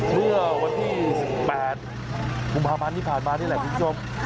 เมื่อวันที่๑๘กุมภาพันธ์ที่ผ่านมานี่แหละคุณผู้ชม